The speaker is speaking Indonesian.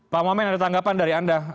pak wamen ada tanggapan dari pak jokowi